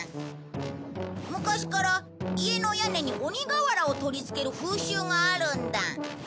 昔から家の屋根に鬼瓦を取り付ける風習があるんだ。